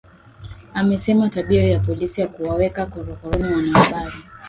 amesema tabia hiyo ya polisi ya kuwaweka korokoroni wanahabari